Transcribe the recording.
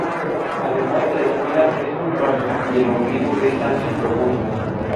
Además la espira es muy baja y el ombligo es ancho y profundo.